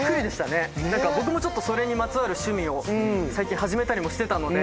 僕もそれにまつわる趣味を最近始めたりもしてたので。